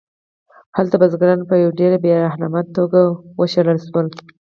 هلته بزګران په ډېره بې رحمانه توګه وشړل شول